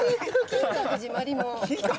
金閣寺まりも？